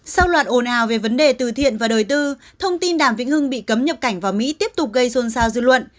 sau loạt ồn ào về vấn đề từ thiện và đời tư thông tin đàm vĩnh hưng bị cấm nhập cảnh vào mỹ tiếp tục gây xôn xao dư luận